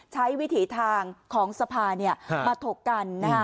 ใช้วิถีทางของสภาเนี่ยมาถกกัน